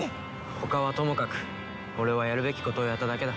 他はともかく俺はやるべきことをやっただけだ。